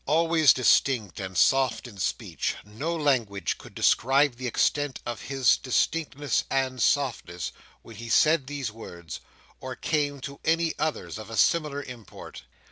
Always distinct and soft in speech, no language could describe the extent of his distinctness and softness, when he said these words, or came to any others of a similar import.